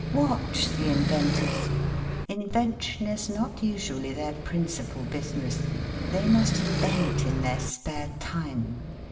Watch the inventors. Invention is not usually their principal business. They must invent in their spare time.